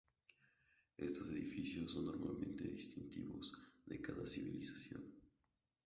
Estos edificios son normalmente distintivos de cada civilización.